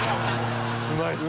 うまい。